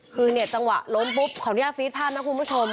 คือเนี่ยจังหวะล้นปุ๊บขออนุญาตฟีดภาพนะคุณผู้ชม